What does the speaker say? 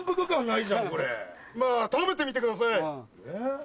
まぁ食べてみてください。